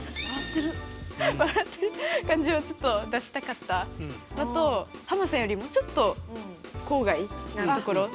笑ってる感じをちょっと出したかったのとハマさんよりもちょっと郊外な所。